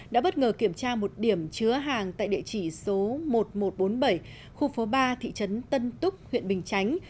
đã bất ngờ kiểm tra một điểm chứa hàng tại địa chỉ số một nghìn một trăm bốn mươi bảy khu phố ba thị trấn tân túc huyện bình chánh